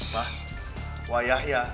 pak wayah ya